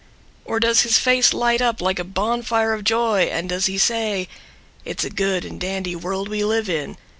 Or does his face light up like a Bonfire of joy and does he say: It's a good and dandy world we live 'In.